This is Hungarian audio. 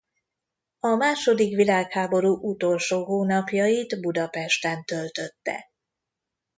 A második világháború utolsó hónapjait Budapesten töltötte.